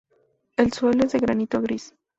El suelo es de granito gris.